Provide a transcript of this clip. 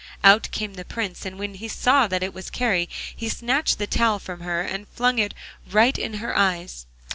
Out came the Prince, and when he saw that it was Kari, he snatched the towel from her and flung it right in her eyes.